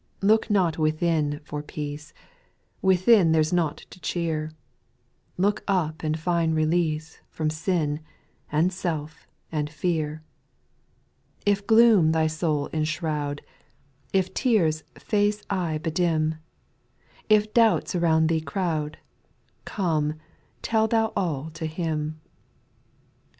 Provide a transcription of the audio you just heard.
Look not within for peace, Within there 's nought to cheer ; Look up and find release From sin, and self, and fear. If gloom thy soul enshroud, If tears faith's eye bedim. If doubts around thee crowd. Come tell thou all to Him.